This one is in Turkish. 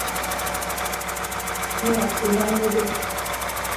Ne yaptığını anladım.